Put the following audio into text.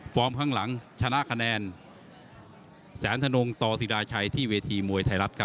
ข้างหลังชนะคะแนนแสนธนงต่อศิราชัยที่เวทีมวยไทยรัฐครับ